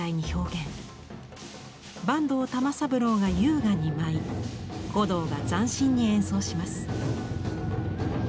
坂東玉三郎が優雅に舞い鼓童が斬新に演奏します。